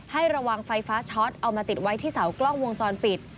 ให้ระวังไฟฟ้าช็อตเอามาติดไว้ที่เสากล้องวงจรปิด